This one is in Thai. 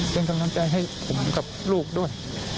เป็นกำลังใจให้ผมกับลูกด้วย